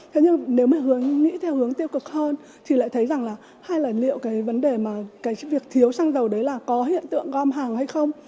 thế nhưng nếu mà nghĩ theo hướng tiêu cực hơn thì lại thấy rằng là hay là liệu cái vấn đề mà cái việc thiếu xăng dầu đấy là có hiện tượng gom hàng hay không